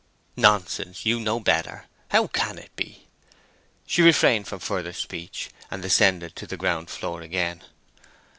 "Nonsense, you know better. How can it be?" She refrained from further speech, and descended to the ground floor again.